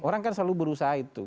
orang kan selalu berusaha itu